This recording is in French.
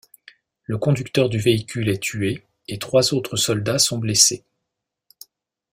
Le conducteur du véhicule est tué et trois autres soldats sont blessés.